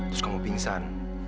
terus kamu pingsan